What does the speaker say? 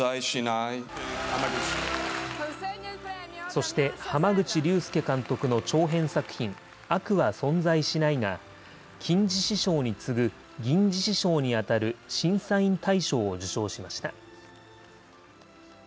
そして、濱口竜介監督の長編作品、悪は存在しないが、金獅子賞に次ぐ銀獅子賞に当たる審査員大賞を受賞しました。